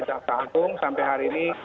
jasa hukum sampai hari ini